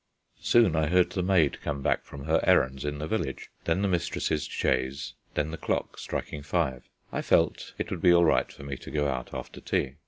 Soon I heard the maid come back from her errands in the village, then the mistress's chaise, then the clock striking five. I felt it would be all right for me to go out after tea.